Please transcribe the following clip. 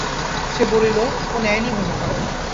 সে বলিল, ও নেয় নি বোধ হয়।